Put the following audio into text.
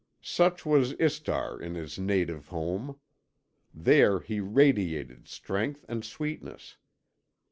Such was Istar in his native home. There he radiated strength and sweetness.